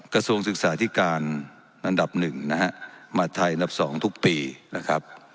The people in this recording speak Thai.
กระทรวงศึกษาธิการอันดับหนึ่งนะฮะมาไทยอันดับ๒ทุกปีนะครับ